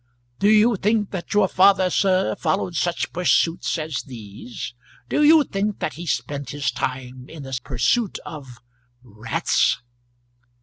"Do you think that your father, sir, followed such pursuits as these? Do you think that he spent his time in the pursuit of rats?"